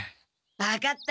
分かった。